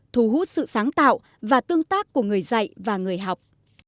thu hút sự sáng tạo và tương tác của người dạy và người học